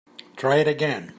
Try it again.